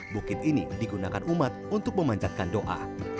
bukit ini digunakan umat untuk memanjatkan doa